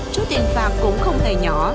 số tiền phạm cũng không hề nhỏ